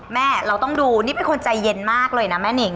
แม่เราต้องดูนี่เป็นคนใจเย็นมากเลยนะแม่นิ่ง